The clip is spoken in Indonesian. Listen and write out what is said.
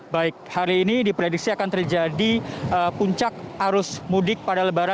baik hari ini diprediksi akan terjadi puncak arus mudik pada lebaran